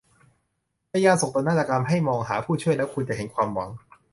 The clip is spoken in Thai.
ในยามโศกนาฏกรรมให้มองหาผู้ช่วยแล้วคุณจะเห็นความหวัง